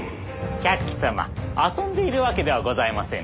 百鬼様遊んでいるわけではございませぬ。